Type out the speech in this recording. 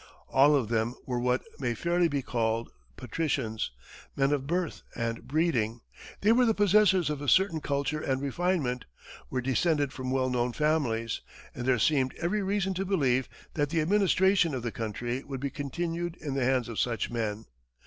All of them were what may fairly be called patricians, men of birth and breeding; they were the possessors of a certain culture and refinement, were descended from well known families, and there seemed every reason to believe that the administration of the country would be continued in the hands of such men.